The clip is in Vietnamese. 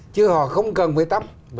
chứ họ không cần phải tắm